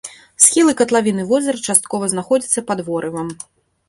Схілы катлавіны возера часткова знаходзяцца пад ворывам.